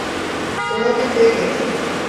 ওরা ওকে পেয়ে গেছে।